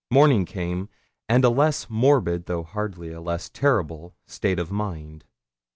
Morning came, and a less morbid, though hardly a less terrible state of mind.